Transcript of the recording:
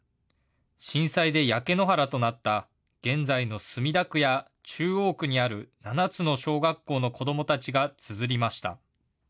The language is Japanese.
震災で焼け野原となった現在の墨田区や中央区にある７つの小学校の子どもたちがつづりました。